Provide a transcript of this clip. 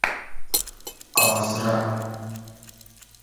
آزرۂ